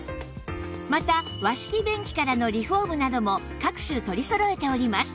また和式便器からのリフォームなども各種取りそろえております